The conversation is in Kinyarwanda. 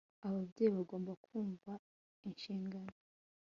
Ababyeyi bagomba kumva inshingano